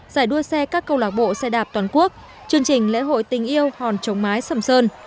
giải đua xe các câu lạc bộ xe đạp toàn quốc chương trình lễ hội tình yêu hòn chống mái sầm sơn